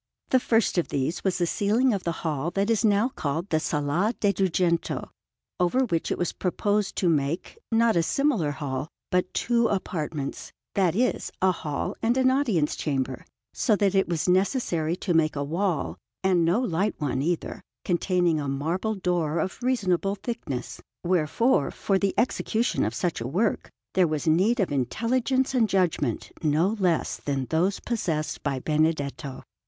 The first of these was the ceiling of the hall that is now called the Sala de' Dugento, over which it was proposed to make, not a similar hall, but two apartments, that is, a hall and an audience chamber, so that it was necessary to make a wall, and no light one either, containing a marble door of reasonable thickness; wherefore, for the execution of such a work, there was need of intelligence and judgment no less than those possessed by Benedetto.